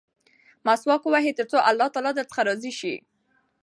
مسواک ووهئ ترڅو الله تعالی درڅخه راضي شي.